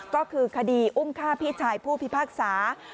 ก็คือคดีอุ้มฆ่าพี่ชายผู้พิพากษา